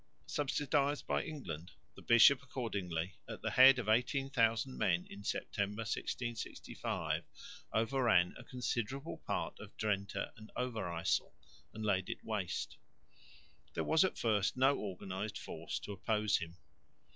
Subsidised by England, the bishop accordingly at the head of 18,000 men (September, 1665) overran a considerable part of Drente and Overyssel and laid it waste. There was at first no organised force to oppose him.